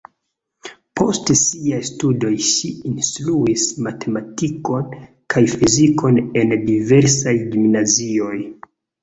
Post siaj studoj ŝi instruis matematikon kaj fizikon en diversaj gimnazioj.